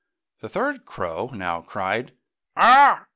The third crow now cried, "Awww!